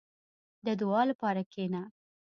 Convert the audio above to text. • د دعا لپاره کښېنه.